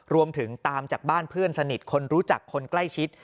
รวมถึงตามจากบ้านเพื่อนสนิทคนรู้จักคนใกล้ชิด